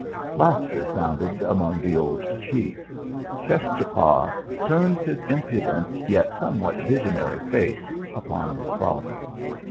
Laughter sounded among the old chiefs. Cheschapah turned his impudent yet somewhat visionary face upon his father.